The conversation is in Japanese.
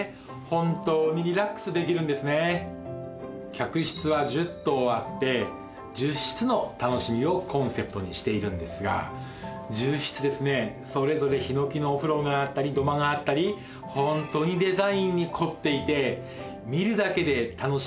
客室は１０棟あって１０室の楽しみをコンセプトにしているんですが１０室ですねそれぞれ檜のお風呂があったり土間があったりホントにデザインに凝っていて見るだけで楽しい